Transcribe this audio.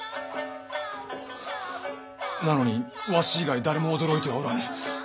なのにわし以外誰も驚いてはおらぬ。